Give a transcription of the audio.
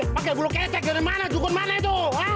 pakai bulu ketek dari mana dukun mana itu